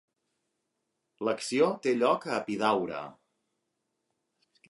L'acció té lloc a Epidaure.